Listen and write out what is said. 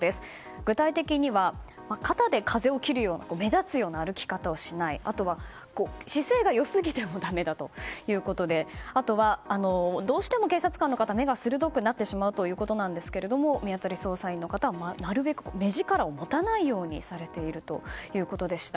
具体的には肩で風を切るような目立つ歩き方をしないあとは姿勢が良すぎてもだめだということであとは、どうしても警察官の方は目が鋭くなってしまうということですが見当たり捜査員の方はなるべく目力を持たないようにしているということでした。